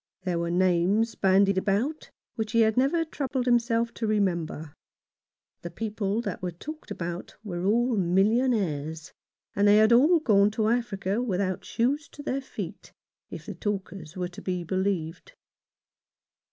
There were names bandied about which he had never troubled himself to remember. The people that were talked about were all millionaires, and they had all gone to Africa without shoes to their feet, if the talkers were to be believed.